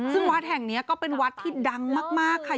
ซึ่งวัดแห่งนี้ก็เป็นวัดที่ดังมากค่ะ